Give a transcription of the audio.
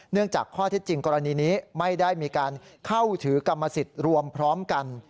จากข้อเท็จจริงกรณีนี้ไม่ได้มีการเข้าถือกรรมสิทธิ์รวมพร้อมกัน